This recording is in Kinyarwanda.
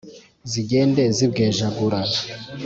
Zigende zibwejagura